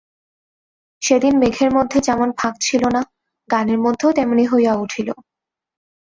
সেদিন মেঘের মধ্যে যেমন ফাঁক ছিল না, গানের মধ্যেও তেমনি হইয়া উঠিল।